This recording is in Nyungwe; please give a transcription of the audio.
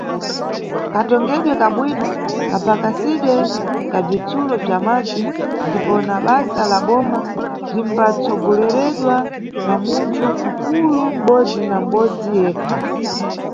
Katongedwe ka bwino, kapakasidwe ka bzitsulo bza madzi ndipo na basa la Boma bzimbatsogoleredwa na munthu nkulu mʼbodzi na mʼbodzi ekha.